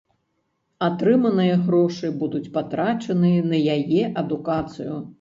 Атрыманыя грошы будуць патрачаныя на яе адукацыю.